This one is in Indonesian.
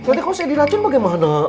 ngadek kok saya diracun bagaimana